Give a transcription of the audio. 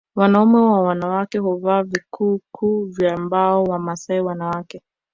Wanaume na wanawake huvaa vikuku vya mbao Wamasai wanawake